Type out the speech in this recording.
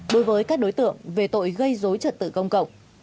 đối với các đối tượng về tội gây dối trật tự công cộng